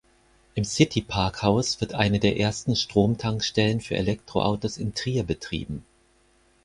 Im City-Parkhaus wird eine der ersten Strom-Tankstellen für Elektro-Autos in Trier betrieben.